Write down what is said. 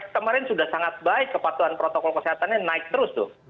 kemarin sudah sangat baik kepatuhan protokol kesehatannya naik terus tuh